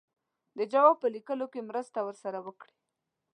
د جواب په لیکلو کې مرسته ورسره وکړي.